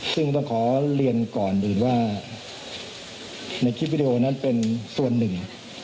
ซึ่งต้องขอเรียนก่อนอื่นว่าในคลิปวิดีโอนั้นเป็นส่วนหนึ่ง